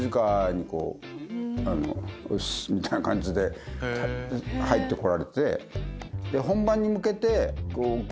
みたいな感じで入ってこられて。